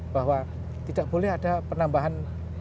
bahwa tidak boleh ada penambahan